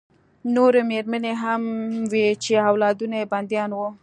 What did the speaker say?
نورې مېرمنې هم وې چې اولادونه یې بندیان وو